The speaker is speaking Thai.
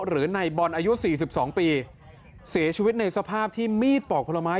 หรือในบอลอายุ๔๒ปีเสียชีวิตในสภาพที่มีดปอกผลไม้